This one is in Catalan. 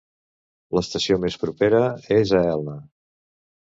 L'estació més propera és a Elna.